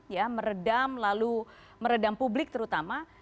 ya meredam lalu meredam publik terutama